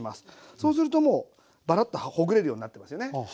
そうするともうバラッとほぐれるようになってますよね。